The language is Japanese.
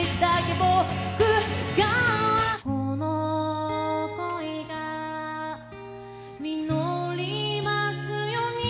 「この恋が実りますように」